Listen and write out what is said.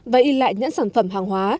và y lại nhãn sản phẩm hàng hóa